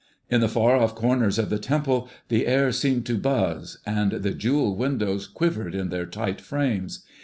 In the far off corners of the temple the air seemed to buzz, and the jewel windows quivered in their tight frames.